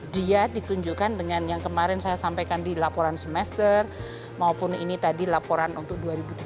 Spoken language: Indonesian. dia ditunjukkan dengan yang kemarin saya sampaikan di laporan semester maupun ini tadi laporan untuk dua ribu tujuh belas